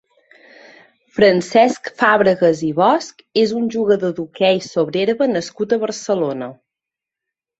Francesc Fàbregas i Bosch és un jugador d'hoquei sobre herba nascut a Barcelona.